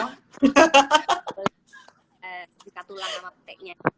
boleh dikatulang sama peteknya